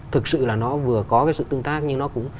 thực sự là nó vừa có cái sự tương tác nhưng nó cũng